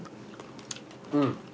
うん。